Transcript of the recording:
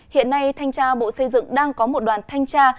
hiện nay thanh tra bộ xây dựng đang có một đoàn thanh tra